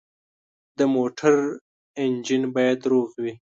د موټر انجن باید روغ وي.